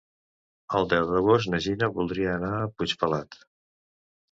El deu d'agost na Gina voldria anar a Puigpelat.